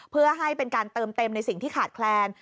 เพื่อให้เป็นการเติมเต็มในสิ่งที่ขาดแคลน